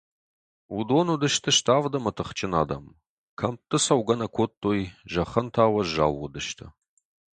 Уыдон уыдысты ставд ӕмӕ тыхджын адӕм, кӕмтты цӕугӕ нӕ кодтой, зӕххӕн та уӕззау уыдысты.